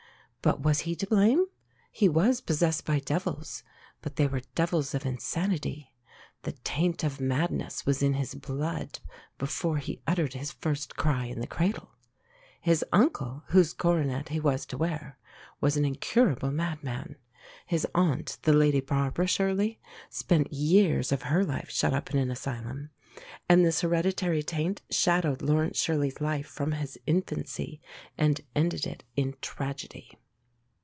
But was he to blame? He was possessed by devils; but they were devils of insanity. The taint of madness was in his blood before he uttered his first cry in the cradle. His uncle, whose coronet he was to wear, was an incurable madman. His aunt, the Lady Barbara Shirley, spent years of her life shut up in an asylum. And this hereditary taint shadowed Laurence Shirley's life from his infancy, and ended it in tragedy.